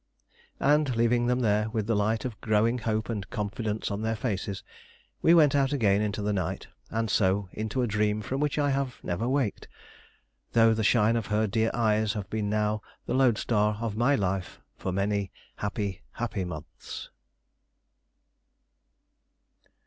And leaving them there, with the light of growing hope and confidence on their faces, we went out again into the night, and so into a dream from which I have never waked, though the shine of her dear eyes have been now the load star of my life for many happy, happy months.